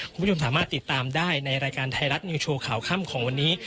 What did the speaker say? คุณผู้ชมสามารถติดตามได้ในรายการไทยรัฐนิวโชว์ข่าวค่ำของวันนี้